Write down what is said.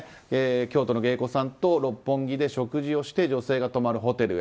京都の芸妓さんと六本木で食事をして女性が泊まるホテルへ。